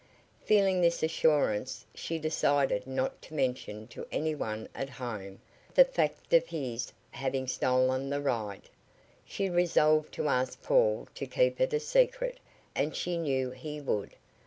Feeling this assurance she decided not to mention to any one at home the fact of his having stolen the ride. She resolved to ask Paul to keep it a secret, and she knew he would.